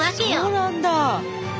そうなんだ！